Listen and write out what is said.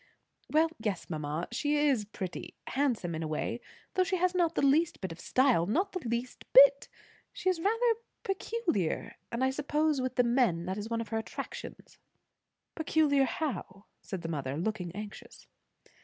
"Well, yes, mamma; she is pretty, handsome, in a way; though she has not the least bit of style; not the least bit! She is rather peculiar; and I suppose with the men that is one of her attractions." "Peculiar how?" said the mother, looking anxious.